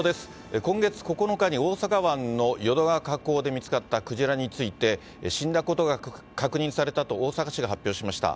今月９日に大阪湾の淀川河口で見つかったクジラについて、死んだことが確認されたと大阪市が発表しました。